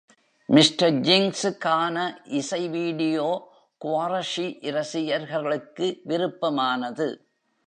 “Mr. Jinx"-க்கான இசை வீடியோ Quarashi இரசிகர்களுக்கு விருப்பமானது.